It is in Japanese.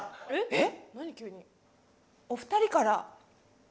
えっ！？